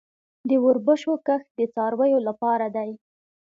د وربشو کښت د څارویو لپاره دی